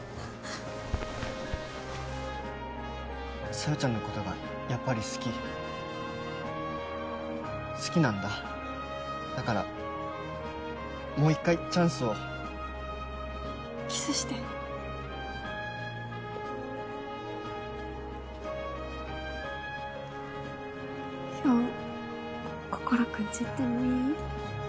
小夜ちゃんのことがやっぱり好き好きなんだだからもう一回チャンスをキスして今日心君ち行ってもいい？